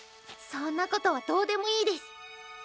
そんなことはどうでもいいデス。